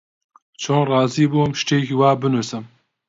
چۆن ڕازی بووم شتێکی وا بنووسم؟